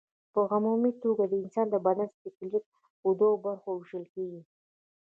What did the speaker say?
په عمومي توګه د انسان د بدن سکلېټ په دوو برخو ویشل کېږي.